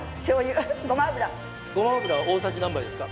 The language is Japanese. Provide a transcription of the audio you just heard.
ごま油大さじ何杯ですか？